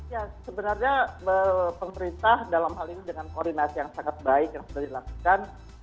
ya sebenarnya pemerintah dalam hal ini dengan koordinasi yang sangat baik yang sudah dilakukan